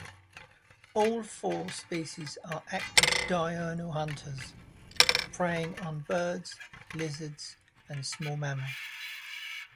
All four species are active diurnal hunters, preying on birds, lizards, and small mammals.